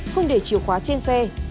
không để chiều khóa trên xe